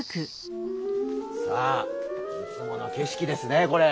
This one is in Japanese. さあいつもの景色ですねこれ。